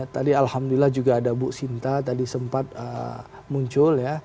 tadi alhamdulillah juga ada bu sinta tadi sempat muncul ya